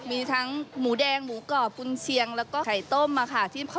มีทั้งหมูแดงหมูกรอบกุญเชียงแล้วก็ไข่ต้มค่ะ